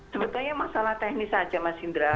sebetulnya masalah teknis saja mas indra